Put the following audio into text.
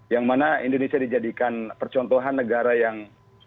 yang mana indonesia dijadikan percontohan negara yang memiliki pemulihan negara